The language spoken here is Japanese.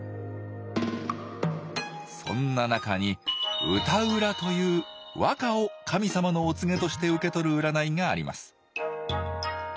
そんな中に歌占という和歌を神様のお告げとして受け取る占いがあります。